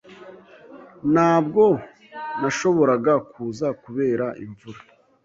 Ntabwo nashoboraga kuza kubera imvura.